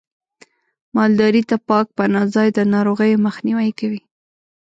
مالدارۍ ته پاک پناه ځای د ناروغیو مخنیوی کوي.